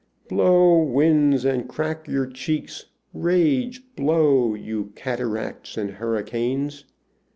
"Blow, winds, and crack your cheeks! rage, blow, You cataracts and hurricanes!"